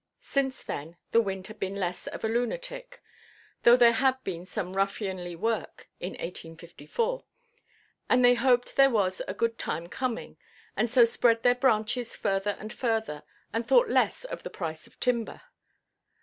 Since then the wind had been less of a lunatic (although there had been some ruffianly work in 1854), and they hoped there was a good time coming, and so spread their branches further and further, and thought less of the price of timber.